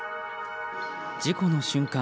事故の瞬間